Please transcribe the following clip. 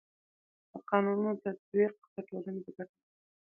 د قانونو تطبیق د ټولني په ګټه دی.